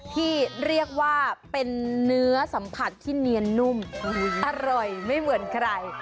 ที่เรียกว่าเป็นเนื้อสัมผัสที่เนียนนุ่มอร่อยไม่เหมือนใคร